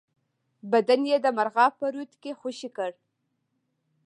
بدن یې د مرغاب په رود کې خوشی کړ.